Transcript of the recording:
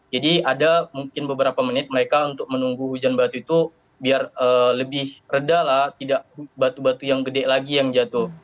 jadi ada mungkin beberapa menit mereka untuk menunggu hujan batu itu biar lebih reda lah tidak batu batu yang gede lagi yang jatuh